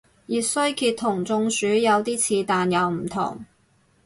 熱衰竭同中暑有啲似但又唔同